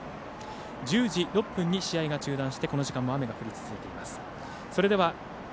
１０時６分に試合が中断しこの時間も雨が降り続いています。